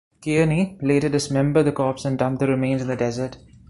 Kearney later dismembered the corpse and dumped the remains in the desert.